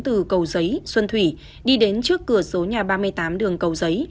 từ cầu giấy xuân thủy đi đến trước cửa số nhà ba mươi tám đường cầu giấy